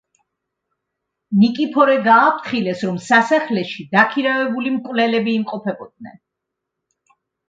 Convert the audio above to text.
ნიკიფორე გააფრთხილეს, რომ სასახლეში დაქირავებული მკვლელები იმყოფებოდნენ.